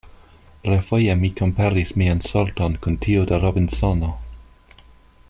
Refoje mi komparis mian sorton kun tiu de Robinsono.